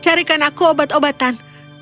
carikan aku obat obatan